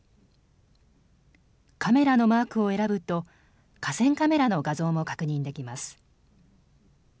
カメラのマークを選ぶと河川カメラの画像も確認できます。